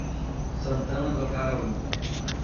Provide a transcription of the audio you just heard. Santana do Acaraú